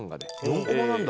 ４コマなんだ。